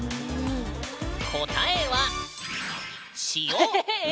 答えは「塩」え！